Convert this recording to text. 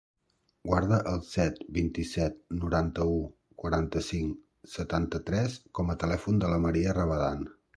Guarda el set, vint-i-set, noranta-u, quaranta-cinc, setanta-tres com a telèfon de la Maia Rabadan.